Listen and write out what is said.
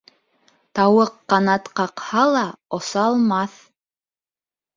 Тауыҡ канат ҡаҡһа ла, оса алмаҫ.